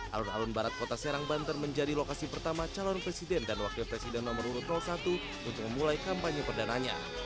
alun alun barat kota serang banten menjadi lokasi pertama calon presiden dan wakil presiden nomor urut satu untuk memulai kampanye perdananya